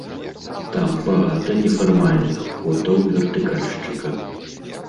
Там багата нефармальных фотаў вертыкальшчыка.